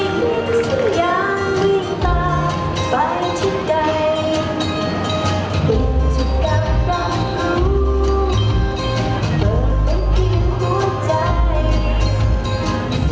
แล้วมันก็จะรู้สึกยังไงบ้าง